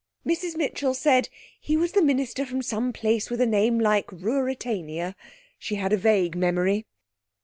Mrs Mitchell said he was the minister from some place with a name like Ruritania. She had a vague memory.